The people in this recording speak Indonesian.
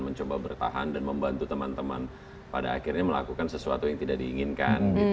mencoba bertahan dan membantu teman teman pada akhirnya melakukan sesuatu yang tidak diinginkan